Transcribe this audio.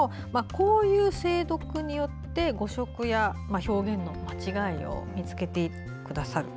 こういう精読によって誤植や表現の間違いを見つけてくださる。